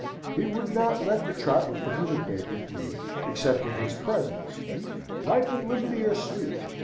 He would not let the trapper communicate with me except in his presence. Life and liberty are sweet.